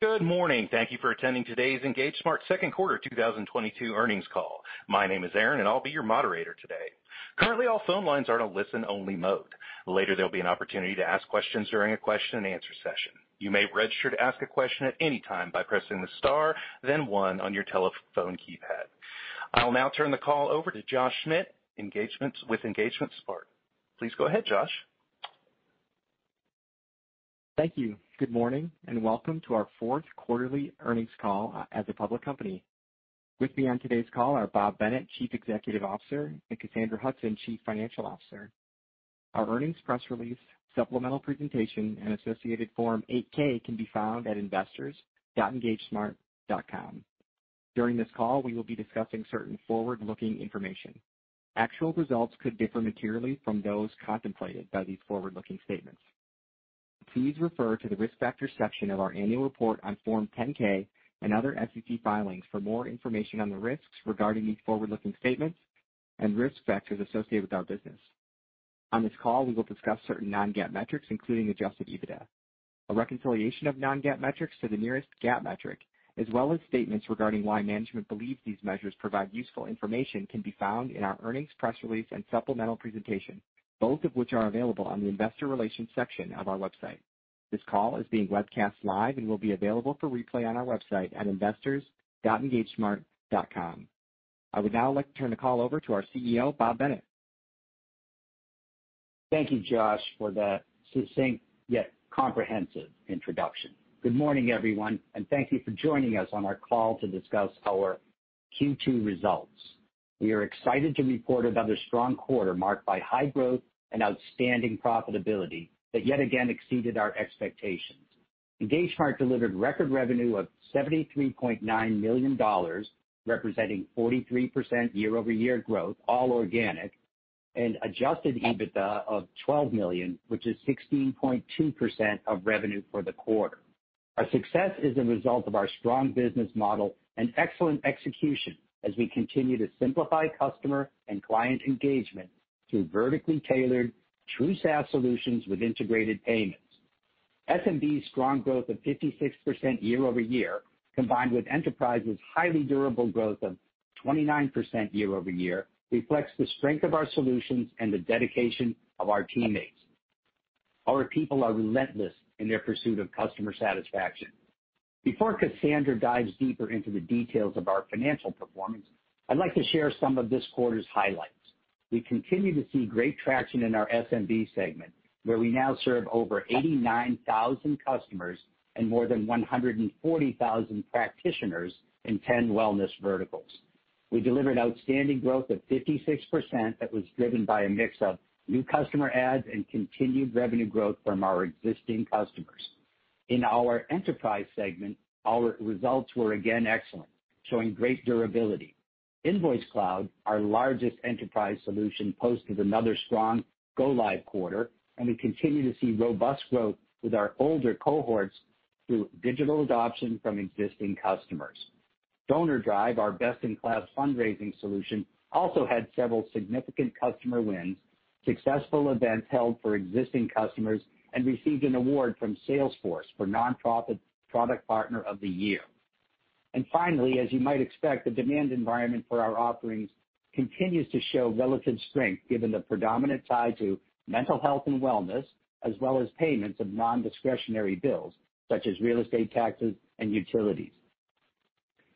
Good morning. Thank you for attending today's EngageSmart second quarter 2022 earnings call. My name is Aaron, and I'll be your moderator today. Currently, all phone lines are in a listen-only mode. Later, there'll be an opportunity to ask questions during a question and answer session. You may register to ask a question at any time by pressing the star then one on your telephone keypad. I'll now turn the call over to Josh Schmidt with EngageSmart. Please go ahead, Josh. Thank you. Good morning, and welcome to our fourth quarterly earnings call as a public company. With me on today's call are Bob Bennett, Chief Executive Officer, and Cassandra Hudson, Chief Financial Officer. Our earnings press release, supplemental presentation, and associated Form 8-K can be found at investors.engagesmart.com. During this call, we will be discussing certain forward-looking information. Actual results could differ materially from those contemplated by these forward-looking statements. Please refer to the Risk Factors section of our annual report on Form 10-K and other SEC filings for more information on the risks regarding these forward-looking statements and risk factors associated with our business. On this call, we will discuss certain non-GAAP metrics, including adjusted EBITDA. A reconciliation of non-GAAP metrics to the nearest GAAP metric, as well as statements regarding why management believes these measures provide useful information, can be found in our earnings press release and supplemental presentation, both of which are available on the Investor Relations section of our website. This call is being webcast live and will be available for replay on our website at investors.engagesmart.com. I would now like to turn the call over to our CEO, Bob Bennett. Thank you, Josh, for that succinct yet comprehensive introduction. Good morning, everyone, and thank you for joining us on our call to discuss our Q2 results. We are excited to report another strong quarter marked by high growth and outstanding profitability that yet again exceeded our expectations. EngageSmart delivered record revenue of $73.9 million, representing 43% year-over-year growth, all organic, and Adjusted EBITDA of $12 million, which is 16.2% of revenue for the quarter. Our success is a result of our strong business model and excellent execution as we continue to simplify customer and client engagement through vertically tailored true SaaS solutions with integrated payments. SMB's strong growth of 56% year-over-year, combined with Enterprise's highly durable growth of 29% year-over-year, reflects the strength of our solutions and the dedication of our teammates. Our people are relentless in their pursuit of customer satisfaction. Before Cassandra dives deeper into the details of our financial performance, I'd like to share some of this quarter's highlights. We continue to see great traction in our SMB segment, where we now serve over 89,000 customers and more than 140,000 practitioners in 10 wellness verticals. We delivered outstanding growth of 56% that was driven by a mix of new customer adds and continued revenue growth from our existing customers. In our Enterprise segment, our results were again excellent, showing great durability. InvoiceCloud, our largest Enterprise solution, posted another strong go-live quarter, and we continue to see robust growth with our older cohorts through digital adoption from existing customers. DonorDrive, our best-in-class fundraising solution, also had several significant customer wins, successful events held for existing customers, and received an award from Salesforce for Nonprofit Product Partner of the Year. Finally, as you might expect, the demand environment for our offerings continues to show relative strength given the predominant tie to mental health and wellness, as well as payments of non-discretionary bills such as real estate taxes and utilities.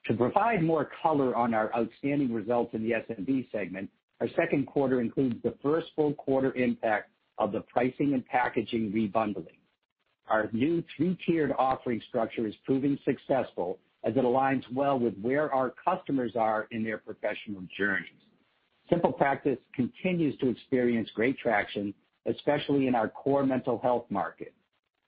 To provide more color on our outstanding results in the SMB segment, our second quarter includes the first full quarter impact of the pricing and packaging rebundling. Our new three-tiered offering structure is proving successful as it aligns well with where our customers are in their professional journeys. SimplePractice continues to experience great traction, especially in our core mental health market.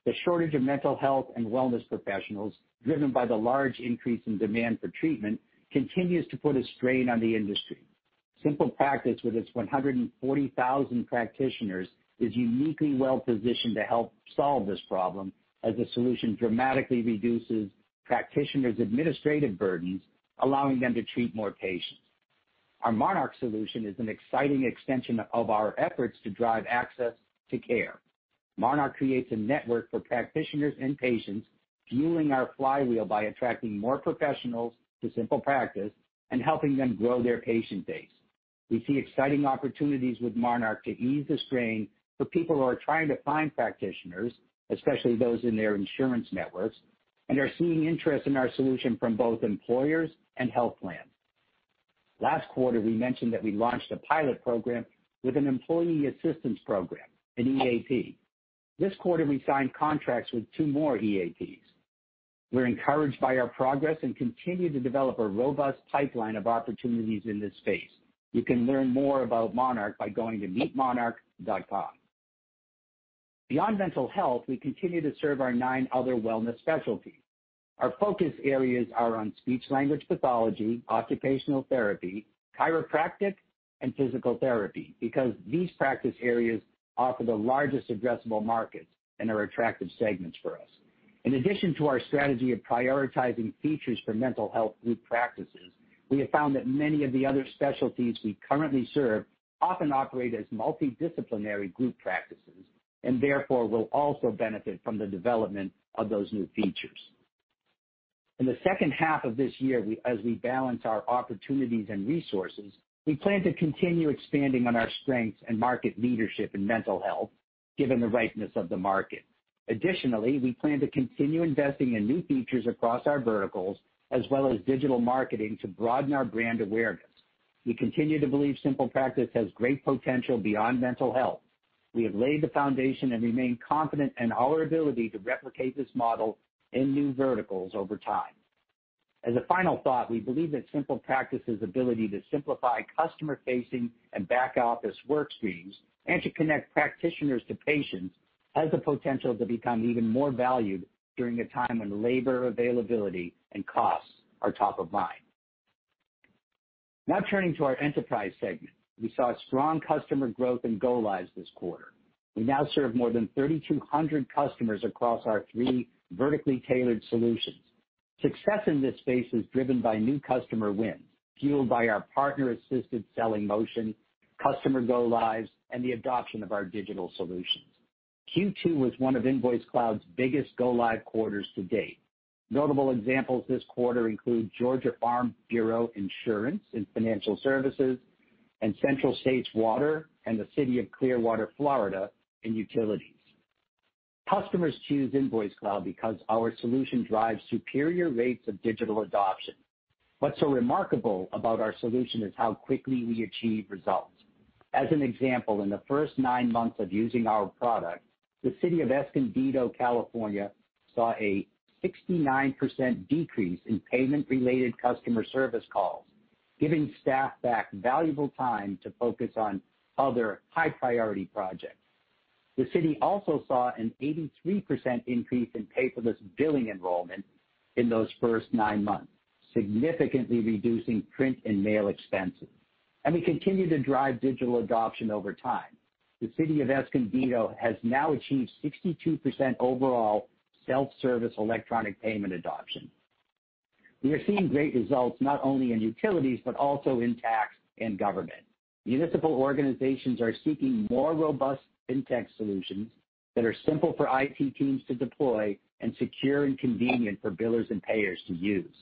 The shortage of mental health and wellness professionals, driven by the large increase in demand for treatment, continues to put a strain on the industry. SimplePractice, with its 140,000 practitioners, is uniquely well-positioned to help solve this problem as the solution dramatically reduces practitioners' administrative burdens, allowing them to treat more patients. Our Monarch solution is an exciting extension of our efforts to drive access to care. Monarch creates a network for practitioners and patients, fueling our flywheel by attracting more professionals to SimplePractice and helping them grow their patient base. We see exciting opportunities with Monarch to ease the strain for people who are trying to find practitioners, especially those in their insurance networks, and are seeing interest in our solution from both employers and health plans. Last quarter, we mentioned that we launched a pilot program with an employee assistance program, an EAP. This quarter, we signed contracts with two more EAPs. We're encouraged by our progress and continue to develop a robust pipeline of opportunities in this space. You can learn more about Monarch by going to meetmonarch.com. Beyond mental health, we continue to serve our nine other wellness specialties. Our focus areas are on speech-language pathology, occupational therapy, chiropractic, and physical therapy because these practice areas offer the largest addressable markets and are attractive segments for us. In addition to our strategy of prioritizing features for mental health group practices, we have found that many of the other specialties we currently serve often operate as multidisciplinary group practices and therefore will also benefit from the development of those new features. In the H2 of this year, as we balance our opportunities and resources, we plan to continue expanding on our strengths and market leadership in mental health, given the ripeness of the market. Additionally, we plan to continue investing in new features across our verticals as well as digital marketing to broaden our brand awareness. We continue to believe SimplePractice has great potential beyond mental health. We have laid the foundation and remain confident in our ability to replicate this model in new verticals over time. As a final thought, we believe that SimplePractice's ability to simplify customer-facing and back-office work streams and to connect practitioners to patients has the potential to become even more valued during a time when labor availability and costs are top of mind. Now turning to our enterprise segment. We saw strong customer growth and go lives this quarter. We now serve more than 3,200 customers across our three vertically tailored solutions. Success in this space is driven by new customer wins, fueled by our partner-assisted selling motion, customer go lives, and the adoption of our digital solutions. Q2 was one of InvoiceCloud's biggest go-live quarters to date. Notable examples this quarter include Georgia Farm Bureau Insurance in financial services, and Central States Water and the City of Clearwater, Florida, in utilities. Customers choose InvoiceCloud because our solution drives superior rates of digital adoption. What's so remarkable about our solution is how quickly we achieve results. As an example, in the first nine months of using our product, the City of Escondido, California, saw a 69% decrease in payment-related customer service calls, giving staff back valuable time to focus on other high-priority projects. The city also saw an 83% increase in paperless billing enrollment in those first nine months, significantly reducing print and mail expenses. We continue to drive digital adoption over time. The city of Escondido has now achieved 62% overall self-service electronic payment adoption. We are seeing great results not only in utilities, but also in tax and government. Municipal organizations are seeking more robust FinTech solutions that are simple for IT teams to deploy and secure and convenient for billers and payers to use,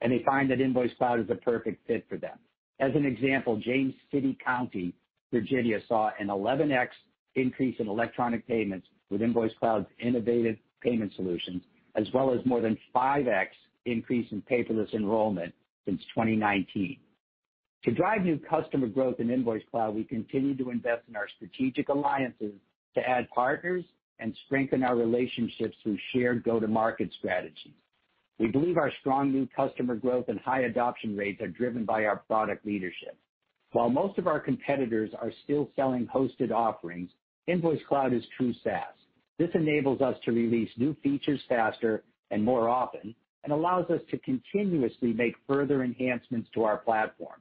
and they find that InvoiceCloud is a perfect fit for them. As an example, James City County, Virginia, saw an 11x increase in electronic payments with InvoiceCloud's innovative payment solutions, as well as more than 5x increase in paperless enrollment since 2019. To drive new customer growth in InvoiceCloud, we continue to invest in our strategic alliances to add partners and strengthen our relationships through shared go-to-market strategies. We believe our strong new customer growth and high adoption rates are driven by our product leadership. While most of our competitors are still selling hosted offerings, InvoiceCloud is true SaaS. This enables us to release new features faster and more often and allows us to continuously make further enhancements to our platform.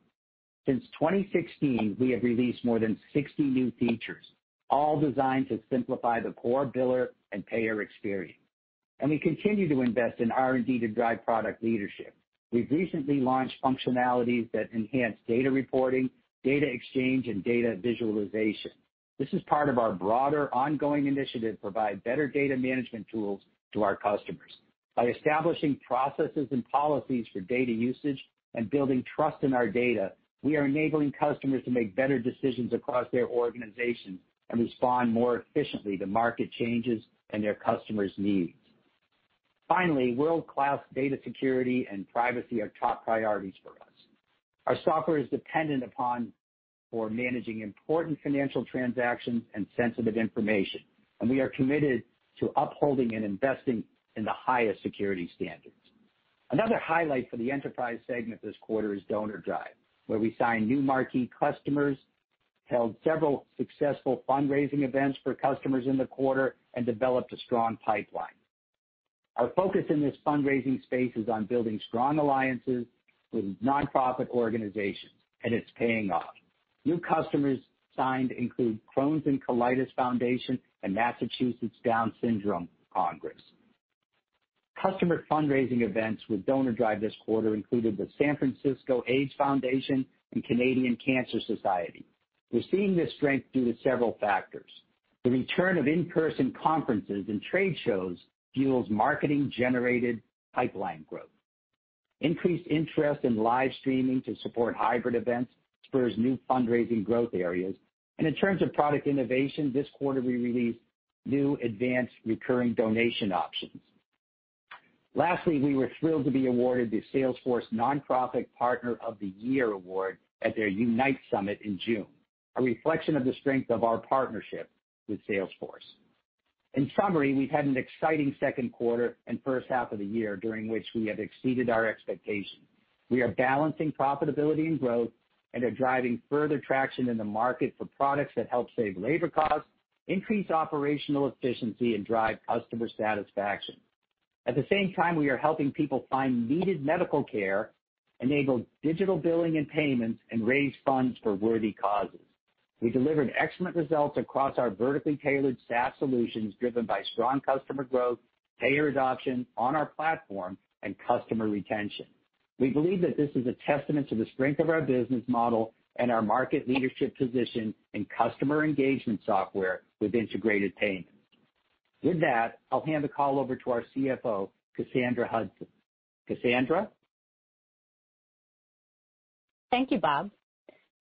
Since 2016, we have released more than 60 new features, all designed to simplify the core biller and payer experience. We continue to invest in R&D to drive product leadership. We've recently launched functionalities that enhance data reporting, data exchange, and data visualization. This is part of our broader ongoing initiative to provide better data management tools to our customers. By establishing processes and policies for data usage and building trust in our data, we are enabling customers to make better decisions across their organization and respond more efficiently to market changes and their customers' needs. Finally, world-class data security and privacy are top priorities for us. Our software is depended upon for managing important financial transactions and sensitive information, and we are committed to upholding and investing in the highest security standards. Another highlight for the enterprise segment this quarter is DonorDrive, where we signed new marquee customers, held several successful fundraising events for customers in the quarter, and developed a strong pipeline. Our focus in this fundraising space is on building strong alliances with nonprofit organizations, and it's paying off. New customers signed include Crohn's & Colitis Foundation and Massachusetts Down Syndrome Congress. Customer fundraising events with DonorDrive this quarter included the San Francisco AIDS Foundation and Canadian Cancer Society. We're seeing this strength due to several factors. The return of in-person conferences and trade shows fuels marketing-generated pipeline growth. Increased interest in live streaming to support hybrid events spurs new fundraising growth areas. In terms of product innovation, this quarter we released new advanced recurring donation options. Lastly, we were thrilled to be awarded the Salesforce Nonprofit Partner of the Year award at their Unite Summit in June, a reflection of the strength of our partnership with Salesforce. In summary, we've had an exciting second quarter and first half of the year during which we have exceeded our expectations. We are balancing profitability and growth and are driving further traction in the market for products that help save labor costs, increase operational efficiency, and drive customer satisfaction. At the same time, we are helping people find needed medical care, enable digital billing and payments, and raise funds for worthy causes. We delivered excellent results across our vertically tailored SaaS solutions, driven by strong customer growth, payer adoption on our platform, and customer retention. We believe that this is a testament to the strength of our business model and our market leadership position in customer engagement software with integrated payments. With that, I'll hand the call over to our CFO, Cassandra Hudson. Cassandra? Thank you, Bob.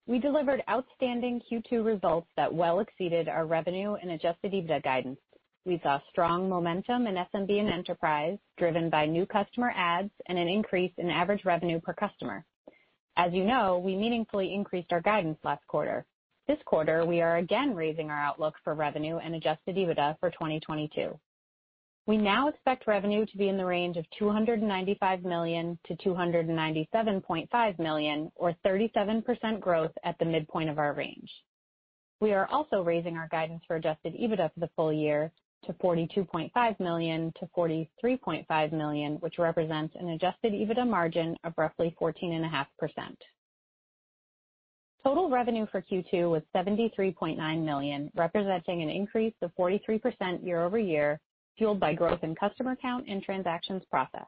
We delivered outstanding Q2 results that well exceeded our revenue and Adjusted EBITDA guidance. We saw strong momentum in SMB and Enterprise, driven by new customer adds and an increase in average revenue per customer. As you know, we meaningfully increased our guidance last quarter. This quarter, we are again raising our outlook for revenue and Adjusted EBITDA for 2022. We now expect revenue to be in the range of $295 million-$297.5 million, or 37% growth at the midpoint of our range. We are also raising our guidance for Adjusted EBITDA for the full year to $42.5 million-$43.5 million, which represents an Adjusted EBITDA margin of roughly 14.5%. Total revenue for Q2 was $73.9 million, representing an increase of 43% year-over-year, fueled by growth in customer count and transactions processed.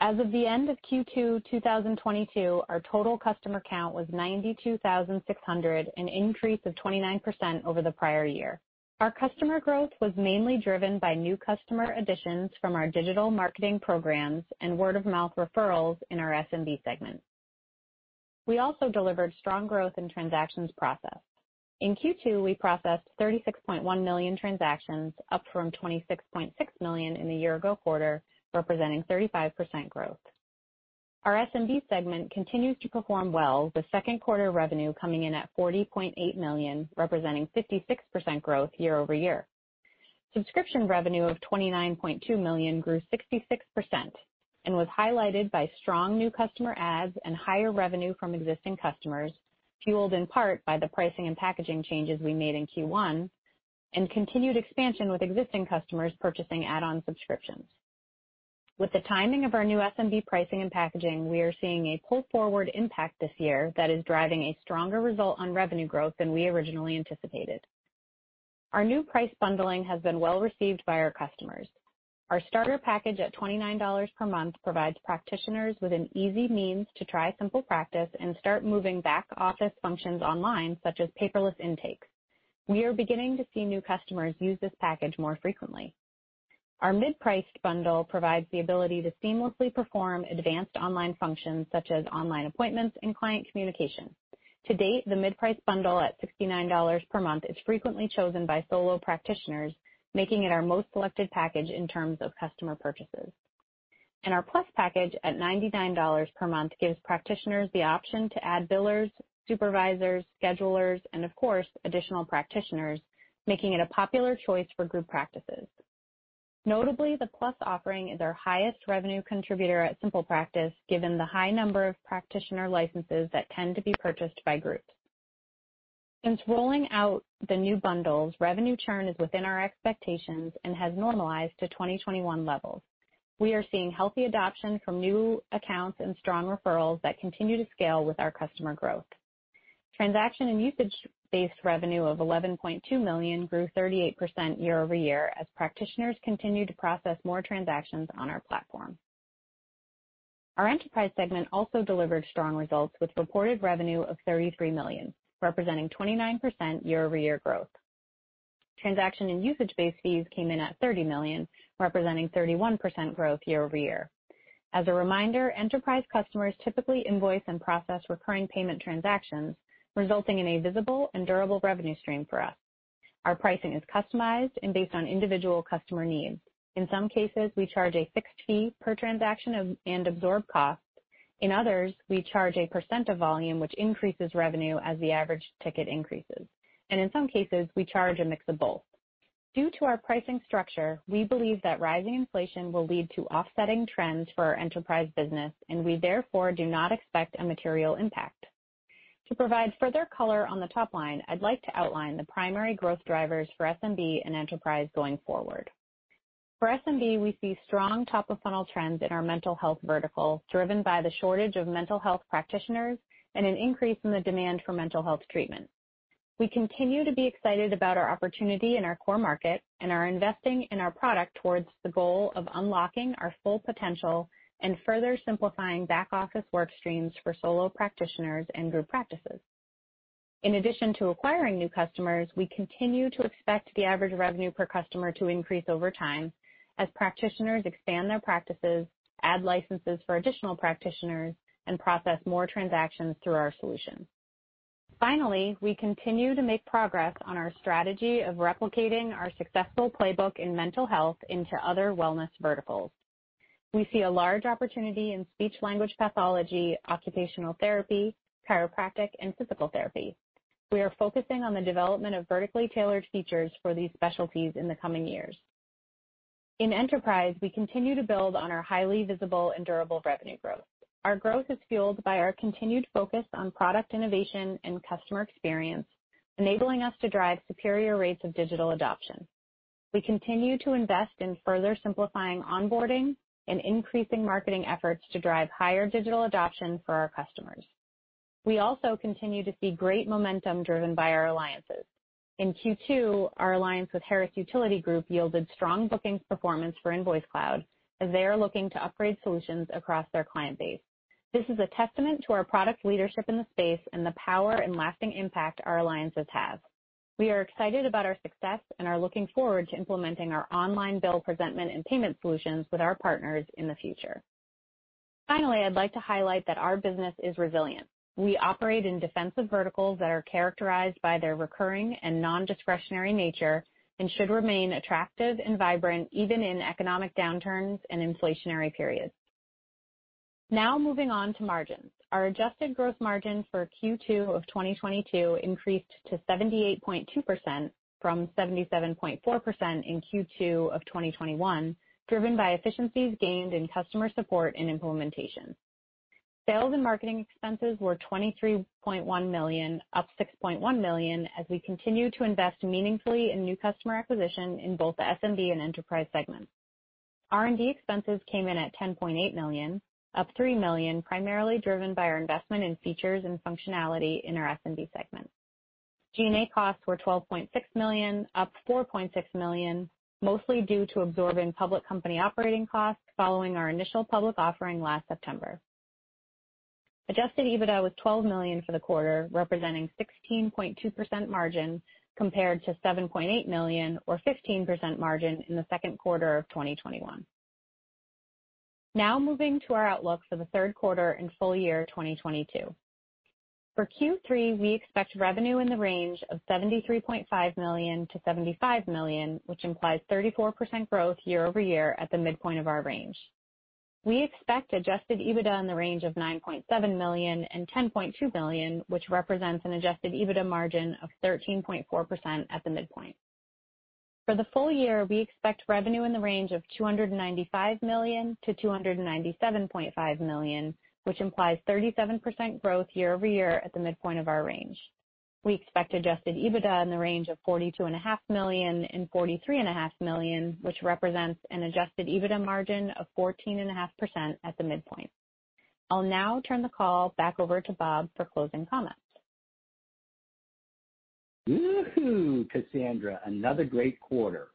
As of the end of Q2 2022, our total customer count was 92,600, an increase of 29% over the prior year. Our customer growth was mainly driven by new customer additions from our digital marketing programs and word of mouth referrals in our SMB segment. We also delivered strong growth in transactions processed. In Q2, we processed 36.1 million transactions, up from 26.6 million in the year ago quarter, representing 35% growth. Our SMB segment continues to perform well with second quarter revenue coming in at $40.8 million, representing 56% growth year-over-year. Subscription revenue of $29.2 million grew 66% and was highlighted by strong new customer adds and higher revenue from existing customers, fueled in part by the pricing and packaging changes we made in Q1 and continued expansion with existing customers purchasing add-on subscriptions. With the timing of our new SMB pricing and packaging, we are seeing a pull forward impact this year that is driving a stronger result on revenue growth than we originally anticipated. Our new price bundling has been well-received by our customers. Our starter package at $29 per month provides practitioners with an easy means to try SimplePractice and start moving back office functions online, such as paperless intakes. We are beginning to see new customers use this package more frequently. Our mid-priced bundle provides the ability to seamlessly perform advanced online functions such as online appointments and client communication. To date, the mid-price bundle at $69 per month is frequently chosen by solo practitioners, making it our most selected package in terms of customer purchases. Our plus package at $99 per month gives practitioners the option to add billers, supervisors, schedulers, and of course, additional practitioners, making it a popular choice for group practices. Notably, the plus offering is our highest revenue contributor at SimplePractice, given the high number of practitioner licenses that tend to be purchased by groups. Since rolling out the new bundles, revenue churn is within our expectations and has normalized to 2021 levels. We are seeing healthy adoption from new accounts and strong referrals that continue to scale with our customer growth. Transaction and usage-based revenue of $11.2 million grew 38% year-over-year as practitioners continue to process more transactions on our platform. Our Enterprise segment also delivered strong results with reported revenue of $33 million, representing 29% year-over-year growth. Transaction and usage-based fees came in at $30 million, representing 31% year-over-year growth. As a reminder, Enterprise customers typically invoice and process recurring payment transactions, resulting in a visible and durable revenue stream for us. Our pricing is customized and based on individual customer needs. In some cases, we charge a fixed fee per transaction and absorb costs. In others, we charge a percent of volume, which increases revenue as the average ticket increases. In some cases, we charge a mix of both. Due to our pricing structure, we believe that rising inflation will lead to offsetting trends for our Enterprise business, and we therefore do not expect a material impact. To provide further color on the top line, I'd like to outline the primary growth drivers for SMB and Enterprise going forward. For SMB, we see strong top of funnel trends in our mental health vertical, driven by the shortage of mental health practitioners and an increase in the demand for mental health treatment. We continue to be excited about our opportunity in our core market and are investing in our product towards the goal of unlocking our full potential and further simplifying back office work streams for solo practitioners and group practices. In addition to acquiring new customers, we continue to expect the average revenue per customer to increase over time as practitioners expand their practices, add licenses for additional practitioners, and process more transactions through our solution. Finally, we continue to make progress on our strategy of replicating our successful playbook in mental health into other wellness verticals. We see a large opportunity in speech language pathology, occupational therapy, chiropractic, and physical therapy. We are focusing on the development of vertically tailored features for these specialties in the coming years. In Enterprise, we continue to build on our highly visible and durable revenue growth. Our growth is fueled by our continued focus on product innovation and customer experience, enabling us to drive superior rates of digital adoption. We continue to invest in further simplifying onboarding and increasing marketing efforts to drive higher digital adoption for our customers. We also continue to see great momentum driven by our alliances. In Q2, our alliance with Harris Utilities Group yielded strong bookings performance for InvoiceCloud as they are looking to upgrade solutions across their client base. This is a testament to our product leadership in the space and the power and lasting impact our alliances have. We are excited about our success and are looking forward to implementing our online bill presentment and payment solutions with our partners in the future. Finally, I'd like to highlight that our business is resilient. We operate in defensive verticals that are characterized by their recurring and nondiscretionary nature and should remain attractive and vibrant even in economic downturns and inflationary periods. Now moving on to margins. Our adjusted gross margin for Q2 of 2022 increased to 78.2% from 77.4% in Q2 of 2021, driven by efficiencies gained in customer support and implementation. Sales and marketing expenses were $23.1 million, up $6.1 million as we continue to invest meaningfully in new customer acquisition in both the SMB and enterprise segments. R&D expenses came in at $10.8 million, up $3 million, primarily driven by our investment in features and functionality in our SMB segment. G&A costs were $12.6 million, up $4.6 million, mostly due to absorbing public company operating costs following our initial public offering last September. Adjusted EBITDA was $12 million for the quarter, representing 16.2% margin compared to $7.8 million or 15% margin in the second quarter of 2021. Now moving to our outlook for the third quarter and full year 2022. For Q3, we expect revenue in the range of $73.5 million-$75 million, which implies 34% growth year over year at the midpoint of our range. We expect Adjusted EBITDA in the range of $9.7 million - $10.2 million, which represents an Adjusted EBITDA margin of 13.4% at the midpoint. For the full year, we expect revenue in the range of $295 million - $297.5 million, which implies 37% growth year-over-year at the midpoint of our range. We expect Adjusted EBITDA in the range of $42.5 million - $43.5 million, which represents an Adjusted EBITDA margin of 14.5% at the midpoint. I'll now turn the call back over to Bob for closing comments. Woohoo, Cassandra. Another great quarter.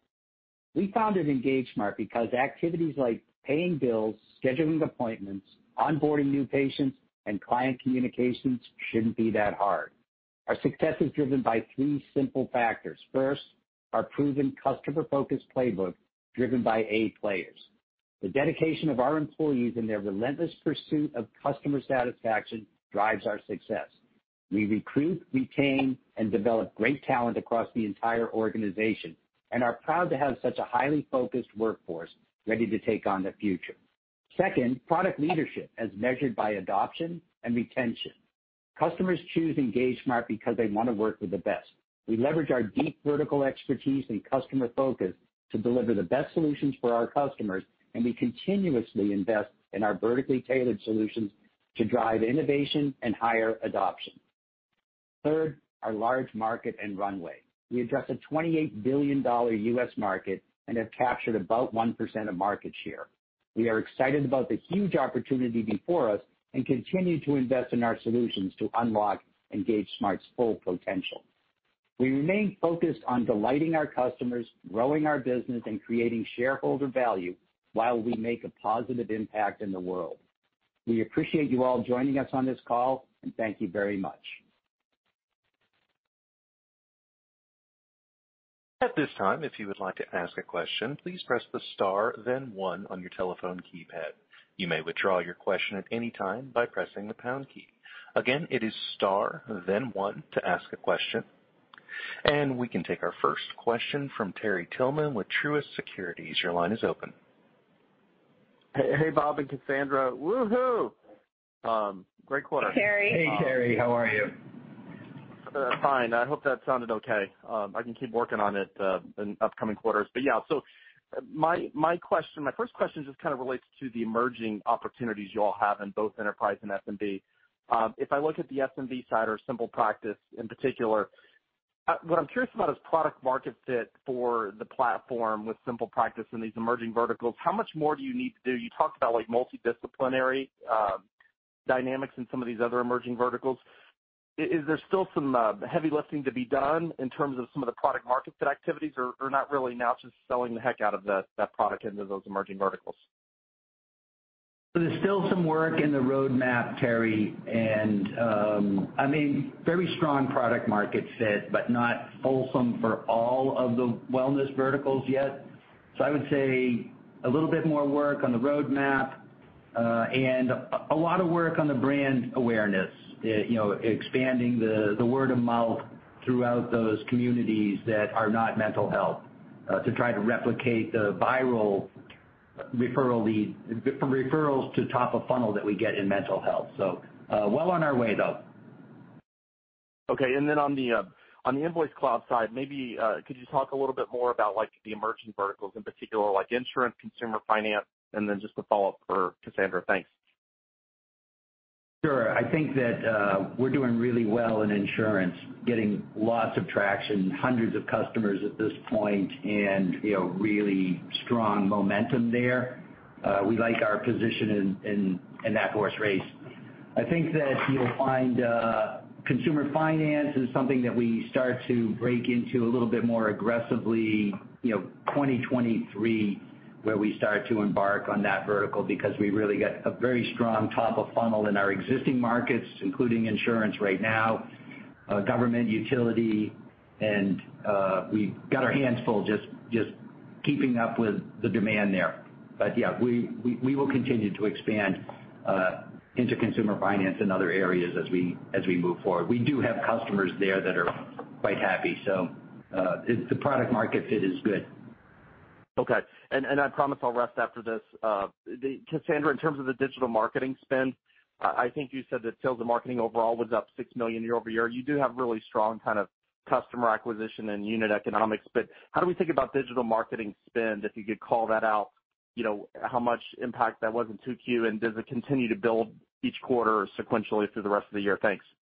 We founded EngageSmart because activities like paying bills, scheduling appointments, onboarding new patients, and client communications shouldn't be that hard. Our success is driven by three simple factors. First, our proven customer-focused playbook driven by A players. The dedication of our employees and their relentless pursuit of customer satisfaction drives our success. We recruit, retain, and develop great talent across the entire organization and are proud to have such a highly focused workforce ready to take on the future. Second, product leadership as measured by adoption and retention. Customers choose EngageSmart because they want to work with the best. We leverage our deep vertical expertise and customer focus to deliver the best solutions for our customers, and we continuously invest in our vertically tailored solutions to drive innovation and higher adoption. Third, our large market and runway. We address a $28 billion US market and have captured about 1% of market share. We are excited about the huge opportunity before us and continue to invest in our solutions to unlock EngageSmart's full potential. We remain focused on delighting our customers, growing our business, and creating shareholder value while we make a positive impact in the world. We appreciate you all joining us on this call and thank you very much. At this time, if you would like to ask a question, please press the star then one on your telephone keypad. You may withdraw your question at any time by pressing the pound key. Again, it is star then one to ask a question. We can take our first question from Terry Tillman with Truist Securities. Your line is open. Hey, Bob and Cassandra. Woohoo. Great quarter. Hey, Terry. Hey, Terry. How are you? Fine. I hope that sounded okay. I can keep working on it in upcoming quarters. My first question just kind of relates to the emerging opportunities you all have in both enterprise and SMB. If I look at the SMB side or SimplePractice in particular, what I'm curious about is product market fit for the platform with SimplePractice and these emerging verticals. How much more do you need to do? You talked about like multidisciplinary dynamics in some of these other emerging verticals. Is there still some heavy lifting to be done in terms of some of the product market fit activities, or not really now just selling the heck out of that product into those emerging verticals? There's still some work in the roadmap, Terry. I mean, very strong product market fit, but not fulsome for all of the wellness verticals yet. I would say a little bit more work on the roadmap, and a lot of work on the brand awareness, you know, expanding the word of mouth throughout those communities that are not mental health, to try to replicate the viral referral lead from referrals to top of funnel that we get in mental health. Well on our way, though. Okay. On the InvoiceCloud side, maybe could you talk a little bit more about like the emerging verticals in particular, like insurance, consumer finance? Just a follow-up for Cassandra. Thanks. Sure. I think that we're doing really well in insurance, getting lots of traction, hundreds of customers at this point, and, you know, really strong momentum there. We like our position in that horse race. I think that you'll find consumer finance is something that we start to break into a little bit more aggressively, you know, 2023, where we start to embark on that vertical because we really get a very strong top of funnel in our existing markets, including insurance right now, government, utility, and we've got our hands full just keeping up with the demand there. Yeah, we will continue to expand into consumer finance in other areas as we move forward. We do have customers there that are quite happy. The product market fit is good. Okay. I promise I'll rest after this. Cassandra, in terms of the digital marketing spend, I think you said that sales and marketing overall was up $6 million year-over-year. You do have really strong kind of customer acquisition and unit economics, but how do we think about digital marketing spend, if you could call that out, you know, how much impact that was in 2Q, and does it continue to build each quarter sequentially through the rest of the year? Thanks. Yeah,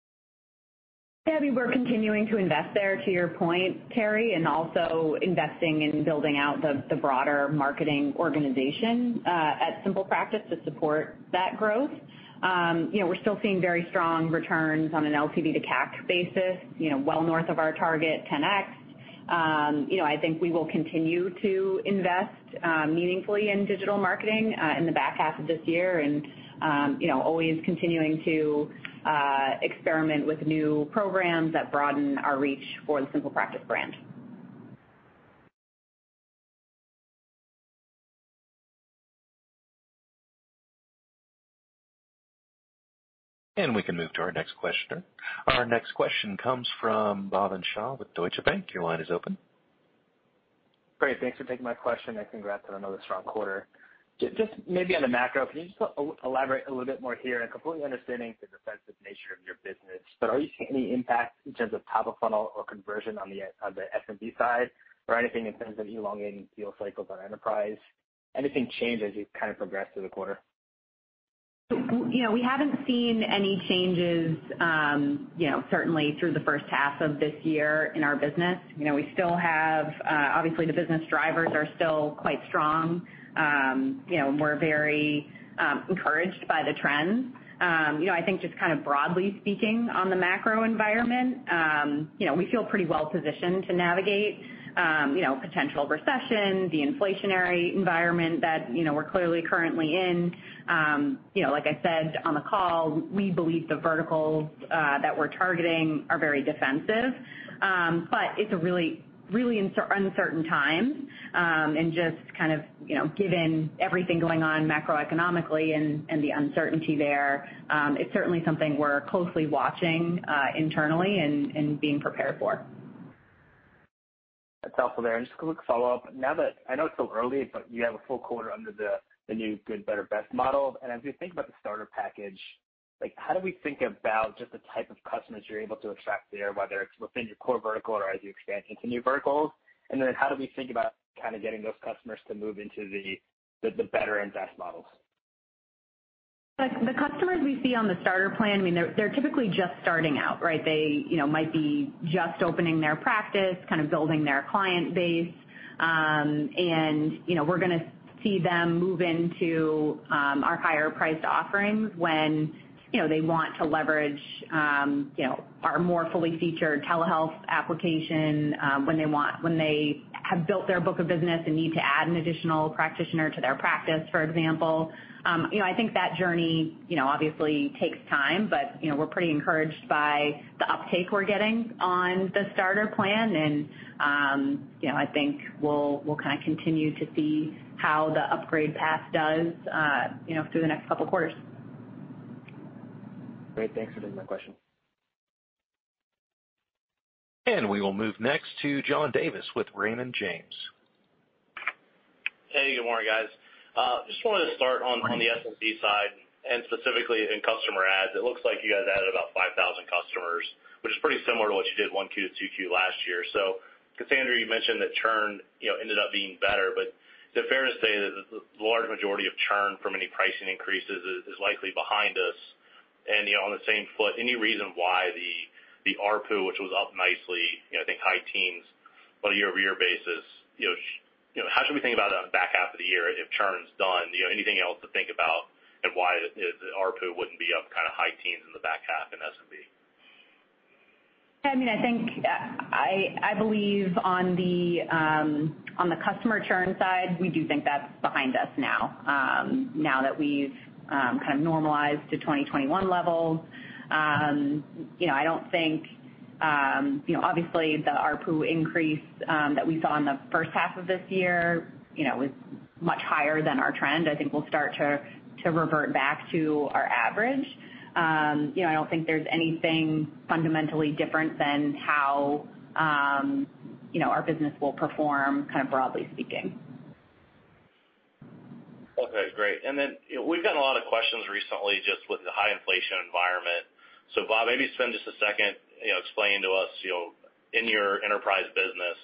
we're continuing to invest there, to your point, Terry, and also investing in building out the broader marketing organization at SimplePractice to support that growth. You know, we're still seeing very strong returns on an LTV to CAC basis, you know, well north of our target 10x. You know, I think we will continue to invest meaningfully in digital marketing in the back half of this year and, you know, always continuing to experiment with new programs that broaden our reach for the SimplePractice brand. We can move to our next questioner. Our next question comes from Bhavin Shah with Deutsche Bank. Your line is open. Great. Thanks for taking my question, and congrats on another strong quarter. Just maybe on the macro, can you just elaborate a little bit more here? I completely understand the defensive nature of your business, but are you seeing any impact in terms of top of funnel or conversion on the SMB side or anything in terms of elongating deal cycles on enterprise? Anything change as you kind of progress through the quarter? You know, we haven't seen any changes, you know, certainly through the first half of this year in our business. You know, we still have, obviously the business drivers are still quite strong. You know, we're very encouraged by the trends. You know, I think just kind of broadly speaking on the macro environment, you know, we feel pretty well positioned to navigate, you know, potential recession, the inflationary environment that, you know, we're clearly currently in. You know, like I said on the call, we believe the verticals that we're targeting are very defensive. It's a really uncertain time, and just kind of, you know, given everything going on macroeconomically and the uncertainty there, it's certainly something we're closely watching, internally and being prepared for. That's helpful there. Just a quick follow-up. Now that I know it's still early, but you have a full quarter under the new good, better, best model. As we think about the starter package, like how do we think about just the type of customers you're able to attract there, whether it's within your core vertical or as you expand into new verticals? Then how do we think about kind of getting those customers to move into the better and best models? The customers we see on the starter plan, I mean, they're typically just starting out, right? They, you know, might be just opening their practice, kind of building their client base. You know, we're gonna see them move into our higher priced offerings when, you know, they want to leverage, you know, our more fully featured telehealth application, when they have built their book of business and need to add an additional practitioner to their practice, for example. You know, I think that journey, you know, obviously takes time, but, you know, we're pretty encouraged by the uptake we're getting on the starter plan. You know, I think we'll kind of continue to see how the upgrade path does, you know, through the next couple quarters. Great. Thanks for taking my question. We will move next to John Davis with Raymond James. Hey, good morning, guys. Just wanted to start on the SMB side and specifically in customer adds. It looks like you guys added about 5,000 customers, which is pretty similar to what you did 1Q to 2Q last year. Cassandra, you mentioned that churn, you know, ended up being better, but is it fair to say that the large majority of churn from any pricing increases is likely behind us? You know, on the same note, any reason why the ARPU, which was up nicely, you know, I think high teens on a year-over-year basis, you know, how should we think about it on the back half of the year if churn's done? You know, anything else to think about and why the ARPU wouldn't be up kind of high teens in the back half in SMB? I mean, I think, I believe on the customer churn side, we do think that's behind us now that we've kind of normalized to 2021 levels. You know, I don't think, you know, obviously the ARPU increase that we saw in the first half of this year, you know, was much higher than our trend. I think we'll start to revert back to our average. You know, I don't think there's anything fundamentally different than how, you know, our business will perform kind of broadly speaking. Okay, great. You know, we've gotten a lot of questions recently just with the high inflation environment. Bob, maybe spend just a second, you know, explaining to us, you know, in your enterprise business.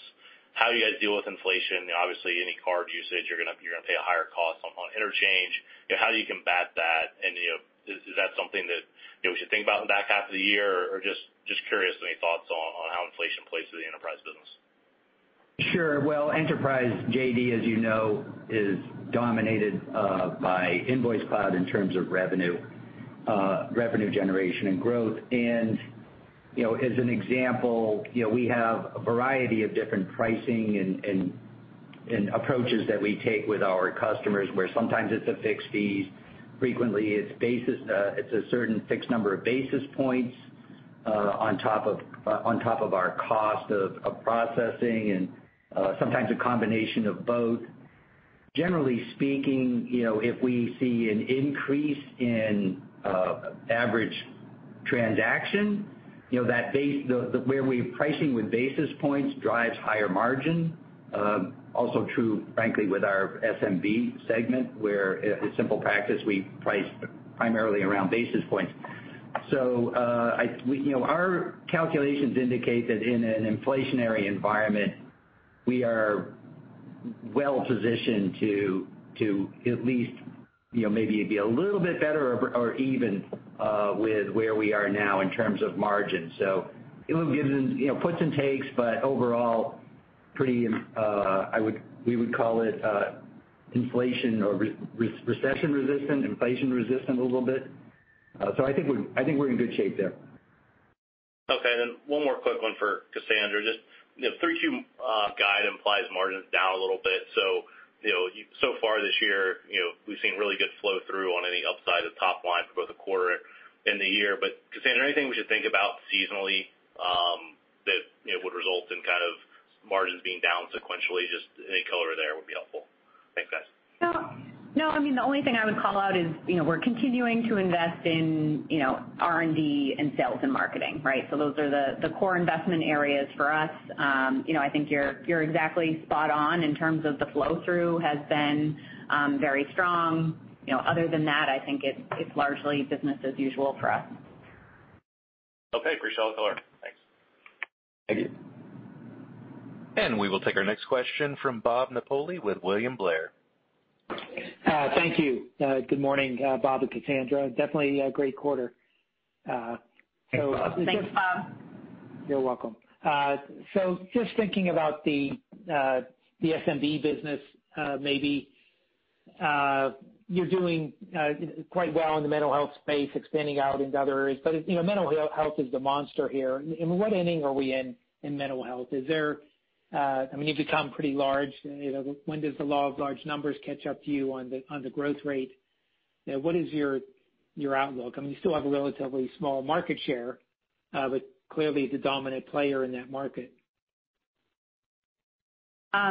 How do you guys deal with inflation? Obviously, any card usage, you're gonna pay a higher cost on interchange. You know, how do you combat that? You know, is that something that, you know, we should think about in the back half of the year? Or just curious, any thoughts on how inflation plays to the enterprise business. Sure. Well, enterprise, JD, as you know, is dominated by InvoiceCloud in terms of revenue generation and growth. You know, as an example, you know, we have a variety of different pricing and approaches that we take with our customers, where sometimes it's a fixed fee. Frequently, it's a certain fixed number of basis points on top of our cost of processing and sometimes a combination of both. Generally speaking, you know, if we see an increase in average transaction, you know, that base where we're pricing with basis points drives higher margin. Also true, frankly, with our SMB segment, where at SimplePractice, we price primarily around basis points. We, you know, our calculations indicate that in an inflationary environment, we are well positioned to at least, you know, maybe be a little bit better or even with where we are now in terms of margin. It gives us, you know, puts and takes, but overall pretty, we would call it inflation or recession resistant, inflation resistant a little bit. I think we're in good shape there. Okay. One more quick one for Cassandra. Just, you know, Q2 guide implies margins down a little bit. You know, so far this year, you know, we've seen really good flow through on any upside of top line for both the quarter and the year. Cassandra, anything we should think about seasonally, that, you know, would result in kind of margins being down sequentially? Just any color there would be helpful. Thanks, guys. No. No, I mean, the only thing I would call out is, you know, we're continuing to invest in, you know, R&D and sales and marketing, right? Those are the core investment areas for us. You know, I think you're exactly spot on in terms of the flow through has been very strong. You know, other than that, I think it's largely business as usual for us. Okay. Appreciate the color. Thanks. Thank you. We will take our next question from Bob Napoli with William Blair. Thank you. Good morning, Bob and Cassandra. Definitely a great quarter. Thanks, Bob. You're welcome. Just thinking about the SMB business, maybe. You're doing quite well in the mental health space, expanding out into other areas. You know, mental health is the monster here. In what inning are we in mental health? Is there? I mean, you've become pretty large. You know, when does the law of large numbers catch up to you on the growth rate? You know, what is your outlook? I mean, you still have a relatively small market share, but clearly the dominant player in that market. Yeah,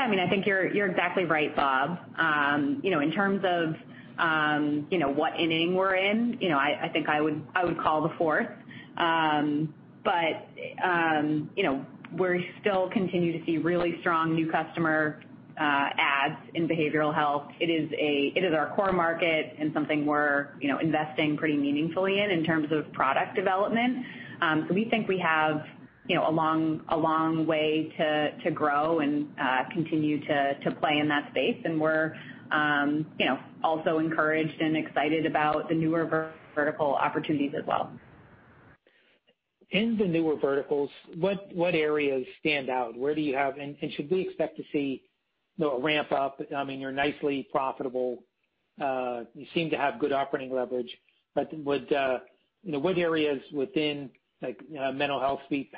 I mean, I think you're exactly right, Bob. You know, in terms of what inning we're in, you know, I think I would call the fourth. But you know, we still continue to see really strong new customer adds in behavioral health. It is our core market and something we're, you know, investing pretty meaningfully in terms of product development. So we think we have, you know, a long way to grow and continue to play in that space. We're, you know, also encouraged and excited about the newer vertical opportunities as well. In the newer verticals, what areas stand out? Where do you have and should we expect to see a ramp up? I mean, you're nicely profitable. You seem to have good operating leverage. But would you know what areas within, like, mental health, speech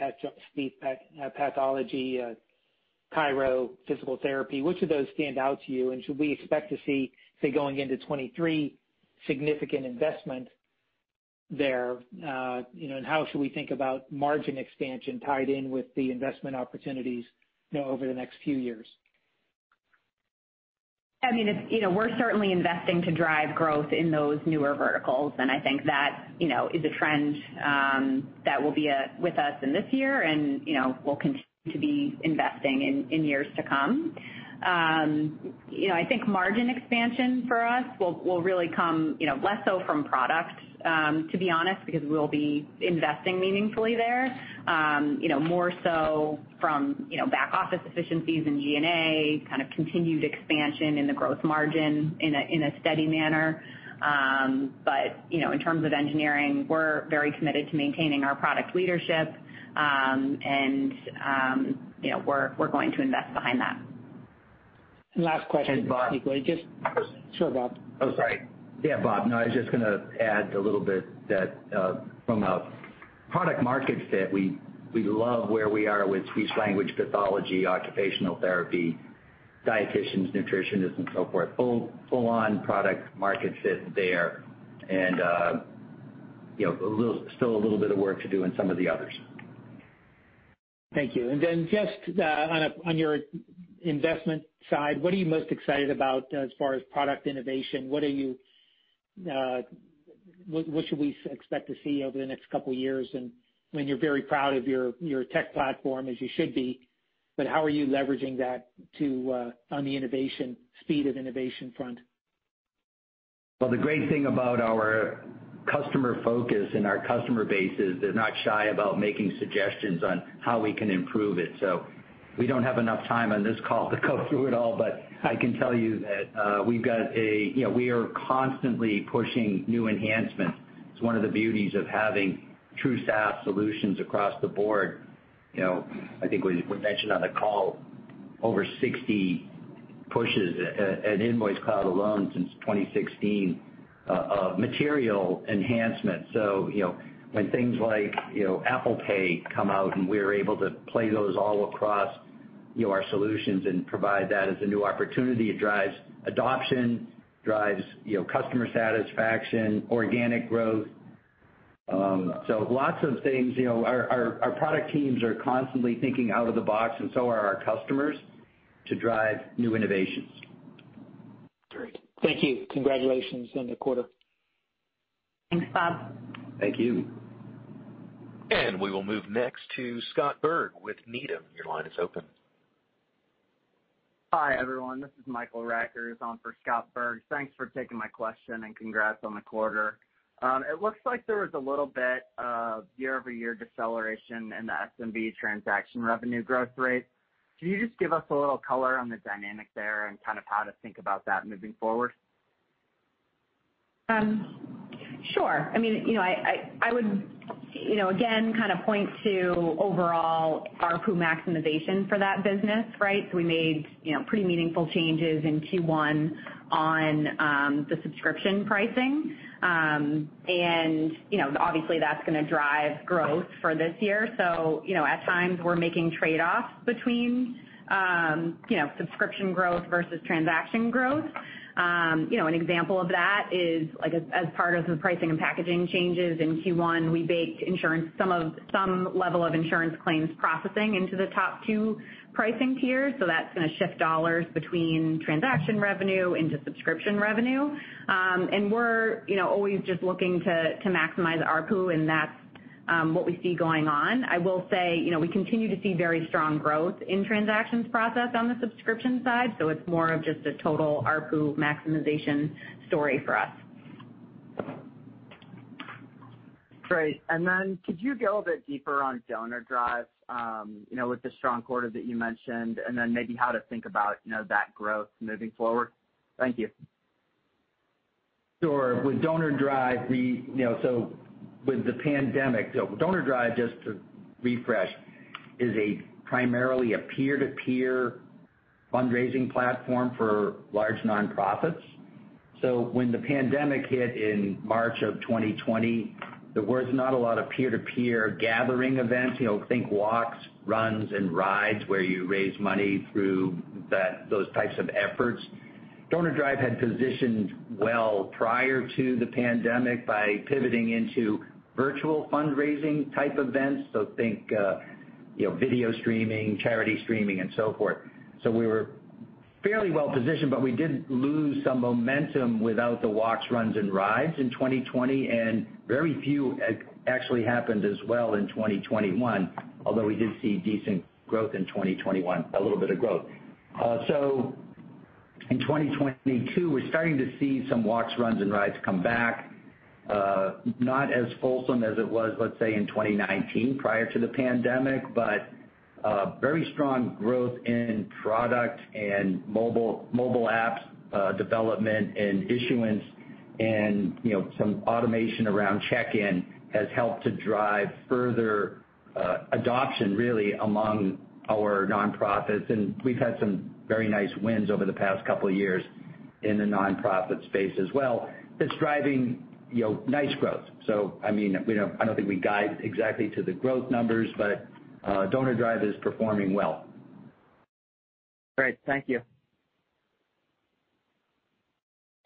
pathology, chiro, physical therapy, which of those stand out to you? Should we expect to see, say, going into 2023, significant investment there? You know, how should we think about margin expansion tied in with the investment opportunities, you know, over the next few years? I mean, it's, you know, we're certainly investing to drive growth in those newer verticals. I think that, you know, is a trend that will be with us in this year and, you know, we'll continue to be investing in years to come. You know, I think margin expansion for us will really come, you know, less so from product, to be honest, because we'll be investing meaningfully there. You know, more so from, you know, back office efficiencies and G&A, kind of continued expansion in the growth margin in a steady manner. You know, in terms of engineering, we're very committed to maintaining our product leadership. You know, we're going to invest behind that. Last question. Hey, Bob. Sure, Bob. Oh, sorry. Yeah, Bob. No, I was just gonna add a little bit that from a product market fit, we love where we are with speech-language pathology, occupational therapy, dieticians, nutritionists, and so forth. Full on product market fit there. You know, a little, still a little bit of work to do in some of the others. Thank you. Then just on your investment side, what are you most excited about as far as product innovation? What should we expect to see over the next couple of years? I mean, you're very proud of your tech platform, as you should be, but how are you leveraging that on the innovation, speed of innovation front? Well, the great thing about our customer focus and our customer base is they're not shy about making suggestions on how we can improve it. We don't have enough time on this call to go through it all, but I can tell you that. You know, we are constantly pushing new enhancements. It's one of the beauties of having true SaaS solutions across the board. You know, I think we mentioned on the call over 60 pushes at InvoiceCloud alone since 2016, material enhancements. You know, when things like Apple Pay come out and we're able to play those all across our solutions and provide that as a new opportunity, it drives adoption, drives customer satisfaction, organic growth. Lots of things. You know, our product teams are constantly thinking out of the box, and so are our customers, to drive new innovations. Great. Thank you. Congratulations on the quarter. Thanks, Bob. Thank you. We will move next to Scott Berg with Needham. Your line is open. Hi, everyone. This is Michael Rackers on for Scott Berg. Thanks for taking my question, and congrats on the quarter. It looks like there was a little bit of year-over-year deceleration in the SMB transaction revenue growth rate. Can you just give us a little color on the dynamic there and kind of how to think about that moving forward? Sure. I mean, you know, I would, you know, again kinda point to overall ARPU maximization for that business, right? We made, you know, pretty meaningful changes in Q1 on the subscription pricing. You know, obviously that's gonna drive growth for this year. You know, at times we're making trade-offs between, you know, subscription growth versus transaction growth. You know, an example of that is, like as part of the pricing and packaging changes in Q1, we baked in some level of insurance claims processing into the top two pricing tiers. That's gonna shift dollars between transaction revenue into subscription revenue. We're, you know, always just looking to maximize ARPU, and that's what we see going on. I will say, you know, we continue to see very strong growth in transactions processed on the subscription side, so it's more of just a total ARPU maximization story for us. Great. Could you go a little bit deeper on DonorDrive, you know, with the strong quarter that you mentioned, and then maybe how to think about, you know, that growth moving forward? Thank you. Sure. With DonorDrive, you know, with the pandemic, DonorDrive, just to refresh, is primarily a peer-to-peer fundraising platform for large nonprofits. When the pandemic hit in March 2020, there was not a lot of peer-to-peer gathering events. You know, think walks, runs, and rides where you raise money through that, those types of efforts. DonorDrive had positioned well prior to the pandemic by pivoting into virtual fundraising type events, think, you know, video streaming, charity streaming, and so forth. We were fairly well positioned, but we did lose some momentum without the walks, runs, and rides in 2020, and very few actually happened as well in 2021, although we did see decent growth in 2021, a little bit of growth. In 2022, we're starting to see some walks, runs, and rides come back. Not as fulsome as it was, let's say, in 2019 prior to the pandemic, but very strong growth in product and mobile apps development and issuance and, you know, some automation around check-in has helped to drive further adoption really among our nonprofits. We've had some very nice wins over the past couple years in the nonprofit space as well that's driving, you know, nice growth. I mean, you know, I don't think we guide exactly to the growth numbers, but DonorDrive is performing well. Great. Thank you.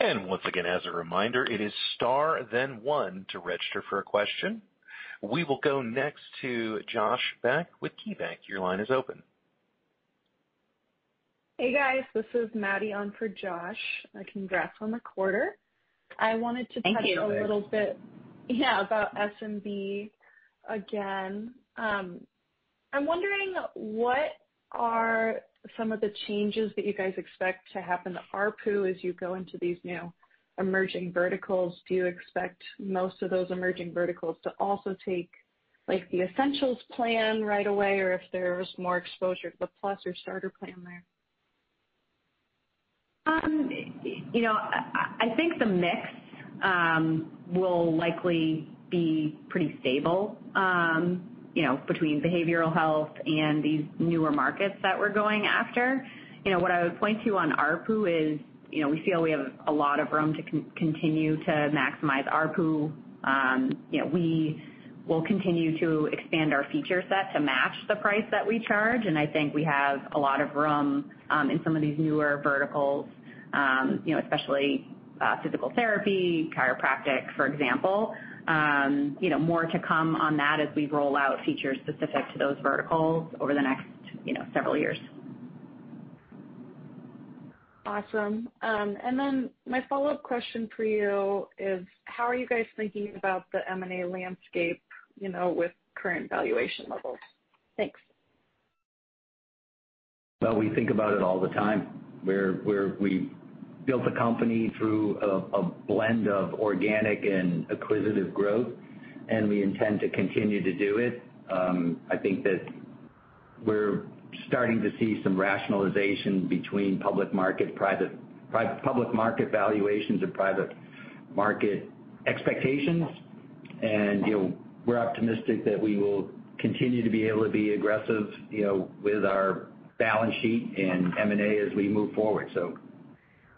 Once again as a reminder, it is star then one to register for a question. We will go next to Josh Beck with KeyBanc. Your line is open. Hey, guys. This is Maddy on for Josh. Congrats on the quarter. Thank you. I wanted to touch a little bit, yeah, about SMB again. I'm wondering what are some of the changes that you guys expect to happen to ARPU as you go into these new emerging verticals. Do you expect most of those emerging verticals to also take, like, the Essentials plan right away or if there's more exposure to the Plus or Starter plan there? You know, I think the mix will likely be pretty stable, you know, between behavioral health and these newer markets that we're going after. You know, what I would point to on ARPU is, you know, we feel we have a lot of room to continue to maximize ARPU. You know, we will continue to expand our feature set to match the price that we charge, and I think we have a lot of room, in some of these newer verticals, you know, especially, physical therapy, chiropractic, for example. You know, more to come on that as we roll out features specific to those verticals over the next, you know, several years. Awesome. My follow-up question for you is, how are you guys thinking about the M&A landscape, you know, with current valuation levels? Thanks. Well, we think about it all the time. We built the company through a blend of organic and acquisitive growth, and we intend to continue to do it. I think that we're starting to see some rationalization between public market, private, public market valuations and private market expectations. You know, we're optimistic that we will continue to be able to be aggressive, you know, with our balance sheet and M&A as we move forward.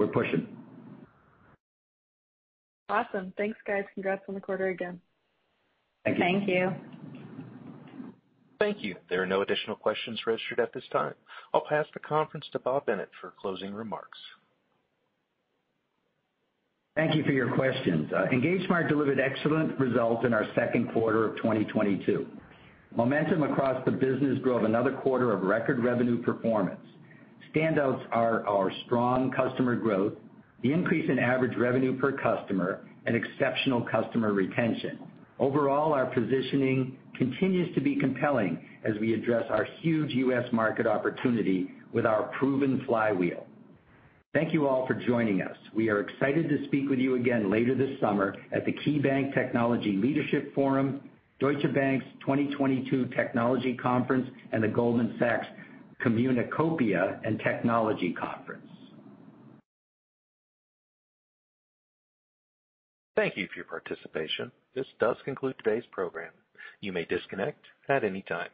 We're pushing. Awesome. Thanks, guys. Congrats on the quarter again. Thank you. Thank you. Thank you. There are no additional questions registered at this time. I'll pass the conference to Bob Bennett for closing remarks. Thank you for your questions. EngageSmart delivered excellent results in our second quarter of 2022. Momentum across the business drove another quarter of record revenue performance. Standouts are our strong customer growth, the increase in average revenue per customer, and exceptional customer retention. Overall, our positioning continues to be compelling as we address our huge U.S. market opportunity with our proven flywheel. Thank you all for joining us. We are excited to speak with you again later this summer at the KeyBanc Technology Leadership Forum, Deutsche Bank's 2022 Technology Conference, and the Goldman Sachs Communacopia + Technology Conference. Thank you for your participation. This does conclude today's program. You may disconnect at any time.